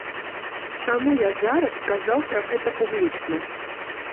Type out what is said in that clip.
Чаму я зараз сказаў пра гэта публічна?